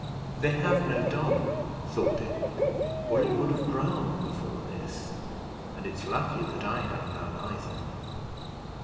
"They have no dog," thought Edward, "or it would have growled before this; and it's lucky that I have none either."